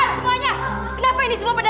semuanya kenapa ini semua